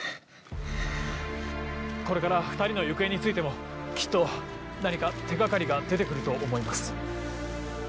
これから２人の行方についてもきっと何か手掛かりが出て来ると思います。